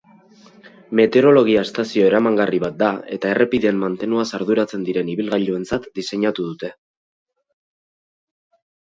Meteorologia-estazio eramangarri bat da eta errepideen mantenuaz arduratzen diren ibilgailuentzat diseinatu dute.